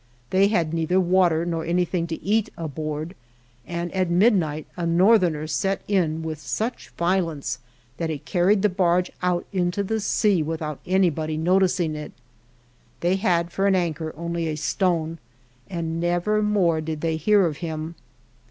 They had neither water nor anything to eat aboard, and at midnight a northerner set in with such violence that it carried the barge out into the sea, without anybody noticing it. They had for an anchor only a stone, and never more did they hear of him.